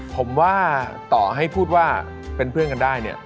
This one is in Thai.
ผมว่าต่อให้พูดว่าเป็นเพื่อนกันได้เนี่ย